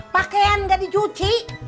pakaian gak dicuci